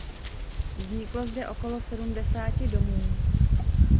Vzniklo zde okolo sedmdesáti domů.